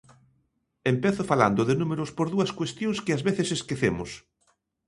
Empezo falando de números por dúas cuestións que as veces esquecemos.